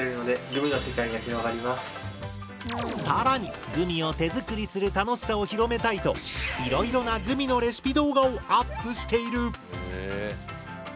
更にグミを手作りする楽しさを広めたいといろいろなグミのレシピ動画をアップしている！